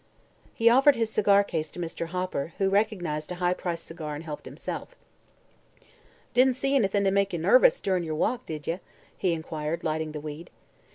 He offered his cigar case to Mr. Hopper, who recognized a high priced cigar and helped himself. "Didn't see anything to make ye nervous, durin' yer walk, did ye?" he inquired, lighting the weed.